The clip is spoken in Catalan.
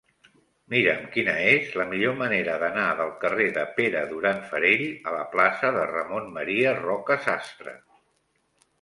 Mira'm quina és la millor manera d'anar del carrer de Pere Duran Farell a la plaça de Ramon M. Roca Sastre.